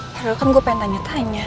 padahal kan gue pengen tanya tanya